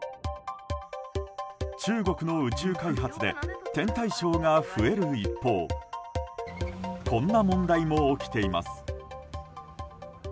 中国の宇宙開発で天体ショーが増える一方こんな問題も起きています。